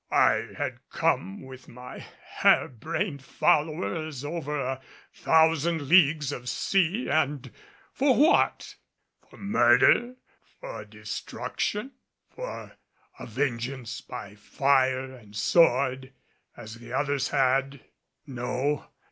I had come with my harebrained followers over a thousand leagues of sea, and for what? For murder? for destruction? for a vengeance by fire and sword, as the others had? No.